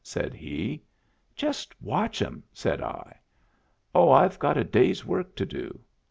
" said he. " Just watch them," said I. " Oh, Fve got a day's work to do."